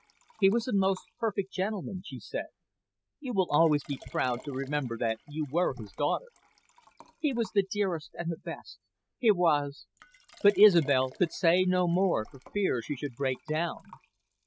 "He was a most perfect gentleman," she said. "You will always be proud to remember that you were his daughter." "He was the dearest and the best. He was " But Isobel could say no more, for fear she should break down.